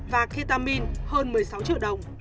và ketamin hơn một mươi sáu triệu đồng